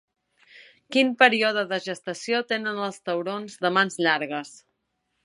Quin període de gestació tenen els taurons de mans llargues?